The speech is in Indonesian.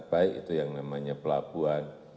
baik itu yang namanya pelabuhan